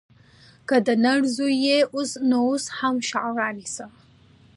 که د نر زوى يې نو اوس هم شيان رانيسه.